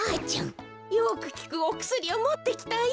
よくきくおくすりをもってきたよ。